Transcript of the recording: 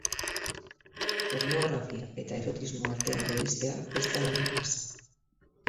Pornografia eta erotismo artean bereiztea ez da lan erraza.